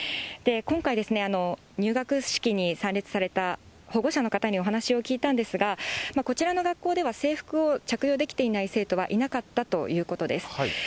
今回、入学式に参列された保護者の方にお話を聞いたんですが、こちらの学校では制服を着用できていない生徒はいなかったということです。